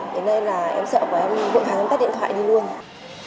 thế nên là em sợ và em vụn hàng tắt điện thoại đi luôn